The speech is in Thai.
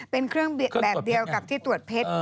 เป็นเครื่องแบบเดียวกับที่ตรวจเพชร